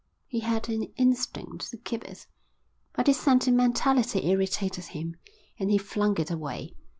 He had an instinct to keep it, but his sentimentality irritated him, and he flung it away.